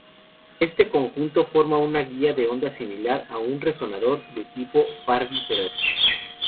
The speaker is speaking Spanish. Este conjunto forma una guía de onda similar a un resonador de tipo Fabry-Perot.